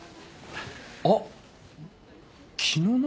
あっ昨日の？